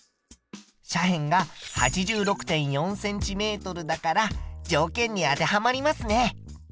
斜辺が８６．４ｃｍだから条件に当てはまりますね。